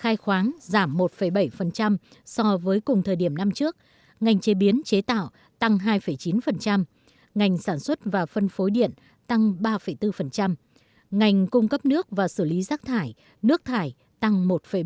trong các doanh nghiệp ngành khai khoáng giảm một bảy so với cùng thời điểm năm trước ngành chế biến chế tạo tăng hai chín ngành sản xuất và phân phối điện tăng ba bốn ngành cung cấp nước và xử lý rác thải nước thải tăng một bảy